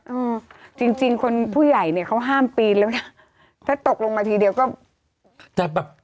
อืมจริงจริงคนผู้ใหญ่เนี้ยเขาห้ามปีนแล้วนะถ้าตกลงมาทีเดียวก็จะแบบ